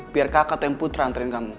biar kakak atau putra nganterin kamu